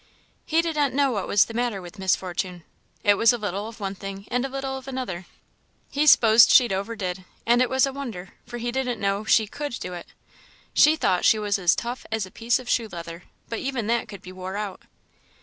He did not know what was the matter with Miss Fortune; it was a little of one thing and a little of another; "he s'posed she'd overdid, and it was a wonder, for he didn't know she could do it. She thought she was as tough as a piece of shoe leather, but even that could be wore out."